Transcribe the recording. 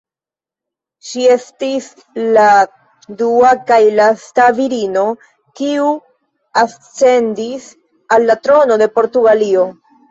Ŝi estis la dua kaj lasta virino kiu ascendis al la trono de Portugalio.